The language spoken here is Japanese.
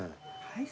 はい。